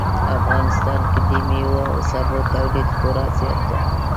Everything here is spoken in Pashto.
افغانستان کې د میوو او سبو تولید خورا زیات ده